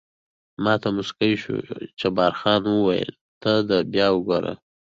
ما ته موسکی شو، جبار خان وویل: ده ته بیا وګوره.